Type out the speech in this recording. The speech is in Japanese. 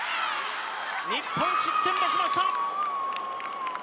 日本、失点をしました。